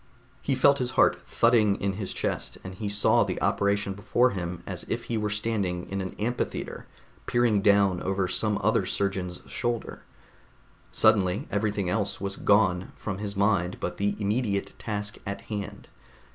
He felt his heart thudding in his chest, and he saw the operation before him as if he were standing in an amphitheater peering down over some other surgeon's shoulder. Suddenly everything else was gone from his mind but the immediate task at hand.